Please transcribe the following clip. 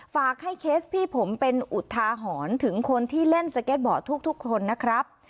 ฝากให้เคสพี่ผมเป็นอุทาหรณ์ถึงคนที่เล่นสเก็ตบอร์ดทุกคนนะครับ